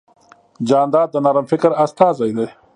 جانداد د نرم فکر استازی دی.